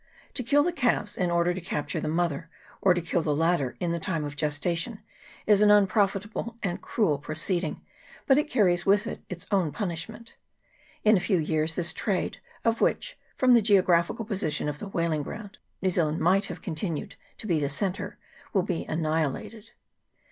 To kill the calves in order to capture the mother, or to kill the latter in the time of gestation, is an unprofitable and cruel proceeding ; but it carries with it its own punishment. In a few years this trade, of which, from the geographical position of the " whaling ground," New Zealand might have continued to be the centre, will be annihilated.